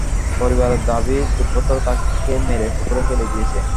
পরিবারের দাবি, দুর্বৃত্তরা তাঁকে মেরে পুকুরে ফেলে দিয়েছে।